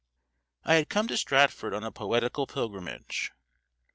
I had come to Stratford on a poetical pilgrimage.